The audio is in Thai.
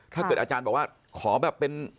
ถ้าเกิดอาจารย์บอกว่า